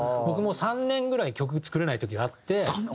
僕も３年ぐらい曲作れない時があって。